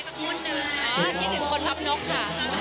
คิดถึงคนพับนกค่ะ